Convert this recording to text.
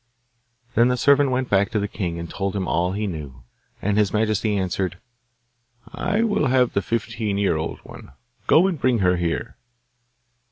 Then the servant went back to the king, and told him all he knew. And his majesty answered: 'I will have the fifteen year old one. Go and bring her here.